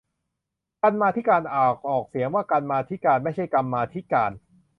กรรมาธิการ อ่านออกเสียงว่า กัน มา ทิ กาน ไม่ใช่ กัม มา ทิ กาน